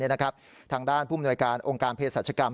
ทางด้านผู้มนวยการองค์การเพศรัชกรรม